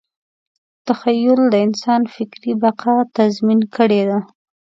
تخیل د انسان فکري بقا تضمین کړې ده.